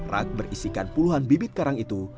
rak berisikan puluhan bibit karang itu